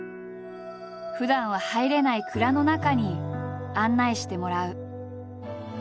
ふだんは入れない蔵の中に案内してもらう。